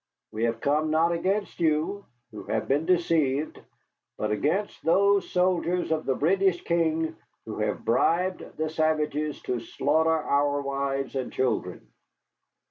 We are come not against you, who have been deceived, but against those soldiers of the British King who have bribed the savages to slaughter our wives and children.